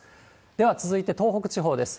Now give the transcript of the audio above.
では、続いて東北地方です。